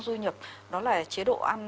du nhập đó là chế độ ăn